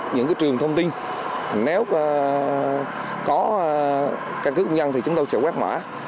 những trường thông tin nếu có căn cứ công dân thì chúng tôi sẽ quét mã